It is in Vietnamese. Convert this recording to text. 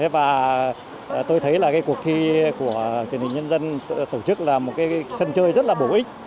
và tôi thấy là cái cuộc thi của truyền hình nhân dân tổ chức là một cái sân chơi rất là bổ ích